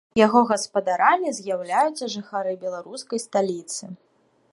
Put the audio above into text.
Яго гаспадарамі з'яўляюцца жыхары беларускай сталіцы.